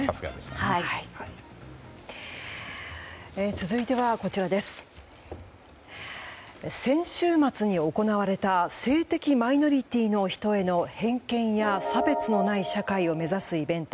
続いては先週末に行われた性的マイノリティーの人への偏見や差別のない世界を目指すイベント